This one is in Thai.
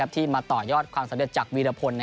ที่มาต่อยอดความสำเร็จจากวีรพล